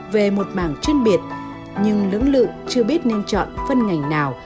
về một mảng chuyên biệt nhưng lưỡng lự chưa biết nên chọn phân ngành nào